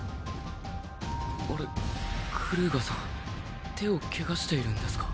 あれクルーガーさん手を怪我しているんですか？